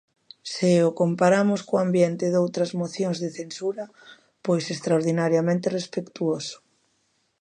Se o comparamos co ambiente doutras mocións de censura, pois extraordinariamente respectuoso.